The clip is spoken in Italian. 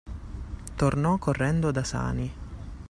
Tornò correndo da Sani.